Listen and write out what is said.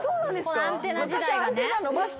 昔アンテナ伸ばしたの。